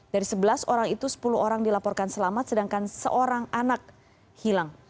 dari sebelas orang itu sepuluh orang dilaporkan selamat sedangkan seorang anak hilang